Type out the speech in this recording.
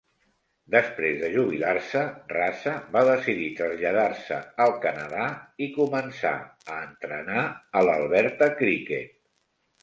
Després de jubilar-se, Raza va decidir traslladar-se al Canadà i començà a entrenar a l'Alberta criquet.